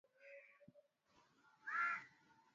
kwa sababu hawa bwana ocampo anasema hana ushahidi